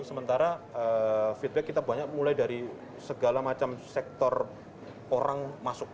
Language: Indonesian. sementara feedback kita banyak mulai dari segala macam sektor orang masuk